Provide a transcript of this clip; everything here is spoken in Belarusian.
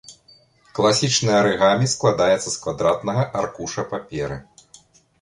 Класічнае арыгамі складаецца з квадратнага аркуша паперы.